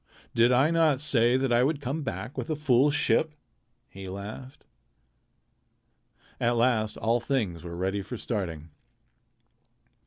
"Did I not say that I would come back with a full ship?" he laughed. At last all things were ready for starting.